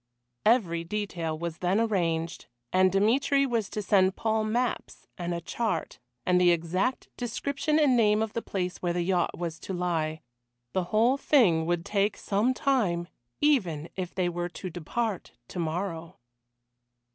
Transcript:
Every detail was then arranged, and Dmitry was to send Paul maps, and a chart, and the exact description and name of the place where the yacht was to lie. The whole thing would take some time, even if they were to depart to morrow.